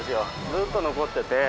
ずっと残ってて。